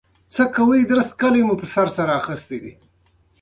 آیا لنډۍ د پښتو ادب ستره هستي نه ده؟